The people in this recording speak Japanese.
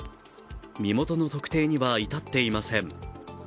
身元の特定には至っていません。